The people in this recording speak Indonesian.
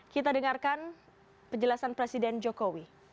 kita dengarkan penjelasan presiden jokowi